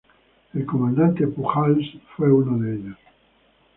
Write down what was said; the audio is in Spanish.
El Comandante Pujals fue uno de ellos.